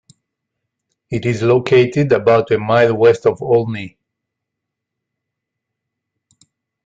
It is located about a mile west of Olney.